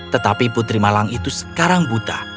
tetapi putri malang itu sekarang buta